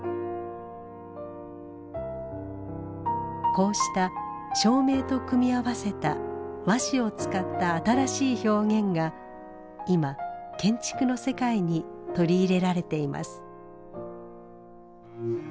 こうした照明と組み合わせた和紙を使った新しい表現が今建築の世界に取り入れられています。